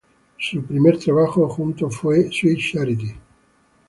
Su primer trabajo juntos fue "Sweet Charity".